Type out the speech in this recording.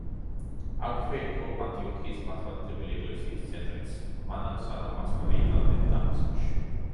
აქვე იყო ანტიოქიის მართლმადიდებელი ეკლესიის ცენტრიც, მანამ სანამ მას გადაიტანდნენ დამასკოში.